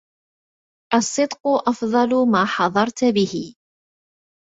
الصدق أفضل ما حضرت به